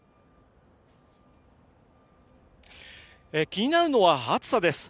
気になるのは暑さです。